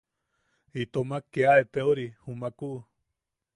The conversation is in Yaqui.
Intomak kea eteori jumakuu.